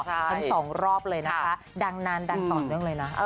ทั้งสองรอบเลยนะคะดังนานดังต่อเนื่องเลยนะ